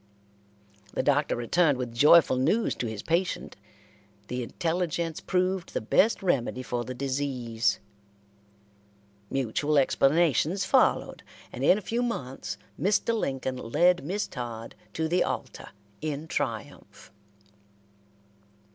The Doctor returned with joyful news to his patient. The intelligence proved the best remedy for the disease. Mutual explanations followed, and in a few months Mr. Lincoln led Miss Todd to the altar in triumph.